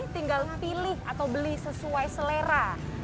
tinggal pilih atau beli sesuai selera